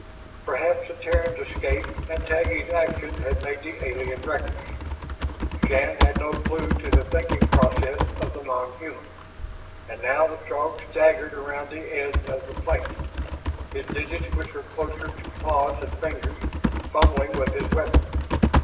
Perhaps the Terran's escape and Taggi's action had made the alien reckless. Shann had no clue to the thinking processes of the non human, but now the Throg staggered around the end of the plate, his digits, which were closer to claws than fingers, fumbling with his weapon.